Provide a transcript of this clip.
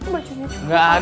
bacunya juga gak ada